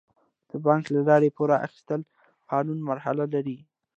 د بانک له لارې پور اخیستل قانوني مراحل لري.